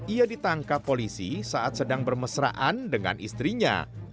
ia ditangkap polisi saat sedang bermesraan dengan istrinya